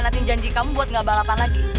penjelasan apa lagi